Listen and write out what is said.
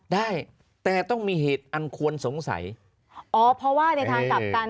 ได้แต่ต้องมีเหตุอันควรสงสัยอ๋อเพราะว่าในทางกลับกัน